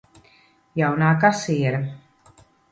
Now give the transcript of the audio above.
Jaunā kasiere.